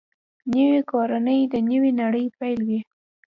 نوې کورنۍ د نوې نړۍ پیل وي